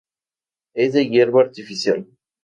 Es de hierba artificial.